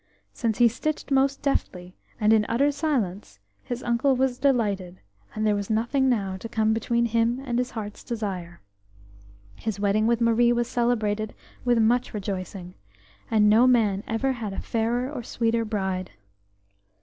Since he stitched most deftly, and in utter silence, his uncle was delighted, and there was nothing now to come between him and his heart's desire. His wedding with Marie was celebrated with much rejoicing, and no man ever had a fairer or sweeter bride.